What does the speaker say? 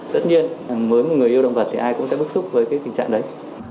tất nhiên với một người yêu động vật thì ai cũng sẽ bức xúc với tình trạng đấy